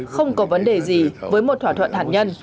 không có vấn đề gì với một thỏa thuận hạt nhân